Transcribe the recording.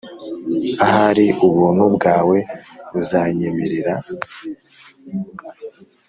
ahari ubuntu bwawe buzanyemerera